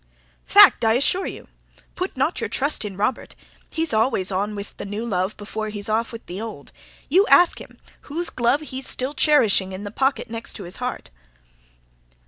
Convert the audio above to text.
"Fact, I assure you. Put not your trust in Robert! He's always on with the new love before he's off with the old. You ask him whose glove he's still cherishing in the pocket next his heart."